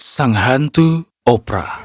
sang hantu oprah